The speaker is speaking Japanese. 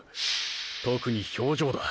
特に表情だ。